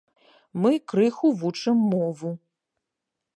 Мы крыху вучым мову.